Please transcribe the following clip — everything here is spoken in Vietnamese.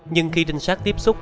nhưng khi trinh sát tiếp xúc